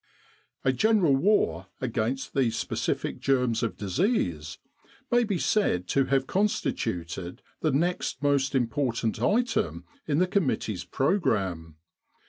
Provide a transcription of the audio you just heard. A general war against the specific germs of disease may be said to have constituted the next most im portant item in the committee's programme.